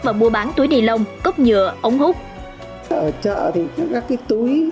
và mua bán túi ni lông cốc nhựa ống hút